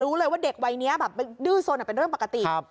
รู้เลยว่าเด็กวัยเนี้ยแบบดื้อส่วนอ่ะเป็นเรื่องปกติครับ